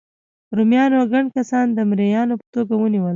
رومیانو ګڼ کسان د مریانو په توګه ونیول.